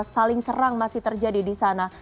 saling serang masih terjadi di sana